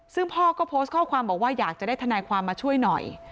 ซึ่งพ่อก็โพสต์ข้อความบอกว่าอยากจะได้ทนายความมาช่วยหน่อย